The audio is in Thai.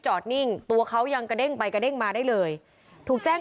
นิ่งตัวเขายังกระเด้งไปกระเด้งมาได้เลยถูกแจ้ง